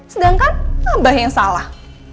sedangkan abah yang salah